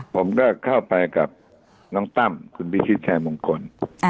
ผมก็เข้าไปกับน้องตั้มคุณพิชิตชัยมงคล